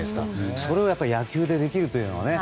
それを野球でできるというのはね。